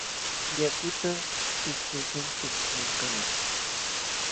Yakutam sillpuykanchik mankaman.